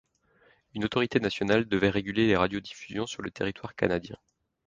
Une autorité nationale devait réguler les radiodiffusions sur le territoire Canadien.